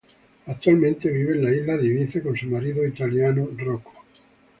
Actualmente vive en la isla de Ibiza con su marido italiano Rocco.